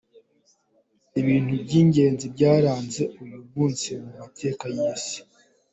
Ibintu by’ingenzi byaranze uyu munsi mu mateka uy’isi:.